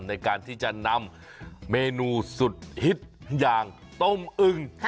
ในการที่จะนำเมนูสุดฮิตอย่างต้มอึง